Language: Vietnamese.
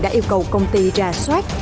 đã yêu cầu công ty ra soát